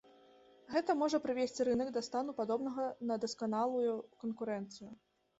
Гэта можа прывесці рынак да стану, падобнаму на дасканалую канкурэнцыю.